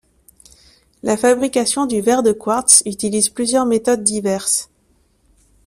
La fabrication du verre de quartz utilise plusieurs méthodes diverses.